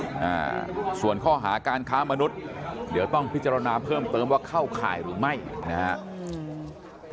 อ่าส่วนข้อหาการค้ามนุษย์เดี๋ยวต้องพิจารณาเพิ่มเติมว่าเข้าข่ายหรือไม่นะฮะอืม